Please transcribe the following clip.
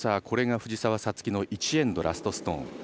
これが藤澤五月の１エンドラストストーン。